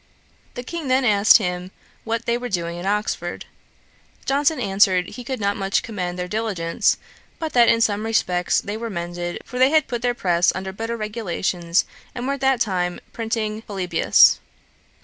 The King then asked him what they were doing at Oxford. Johnson answered, he could not much commend their diligence, but that in some respects they were mended, for they had put their press under better regulations, and were at that time printing Polybius.